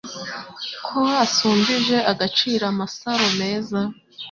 Ko asumbije agaciro amasaro meza